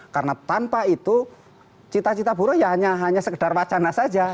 karena tanpa itu cita cita buruh ya hanya sekedar wacana saja